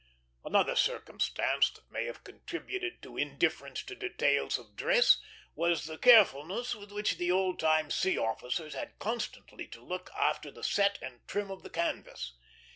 Another circumstance that may have contributed to indifference to details of dress was the carefulness with which the old time sea officers had constantly to look after the set and trim of the canvas.